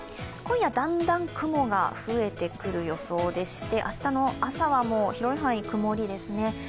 今夜だんだん雲が増えてくる予想でして、明日の朝はもう広い範囲曇りですね。